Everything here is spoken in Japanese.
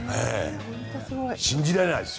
信じられないです。